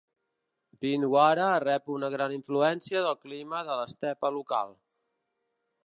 Pindwara rep una gran influència del clima de l'estepa local.